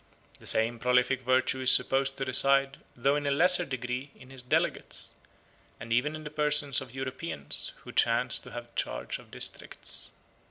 The same prolific virtue is supposed to reside, though in a lesser degree, in his delegates, and even in the persons of Europeans who chance to have charge of districts.